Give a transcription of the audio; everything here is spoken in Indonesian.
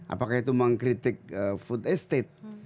apakah itu mengkritik food estate